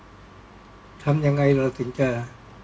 ก็ต้องทำอย่างที่บอกว่าช่องคุณวิชากำลังทำอยู่นั่นนะครับ